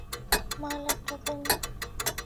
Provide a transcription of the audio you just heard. মাল একটা, তাই না?